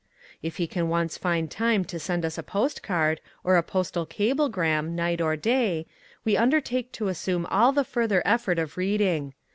If he can once find time to send us a postcard, or a postal cablegram, night or day, we undertake to assume all the further effort of reading.